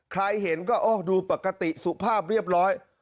ใครเห็นก็ดูปกติสุภาพเรียบร้อย